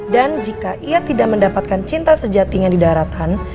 dan jika ia tidak mendapatkan cinta sejati yang didapatkan